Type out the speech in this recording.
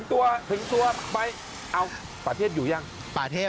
ถึงตัวไปเอาประเทศอยู่ยังออกมายัง